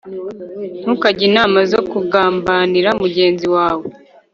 Ntukajye inama zo kugambanira mugenzi wawe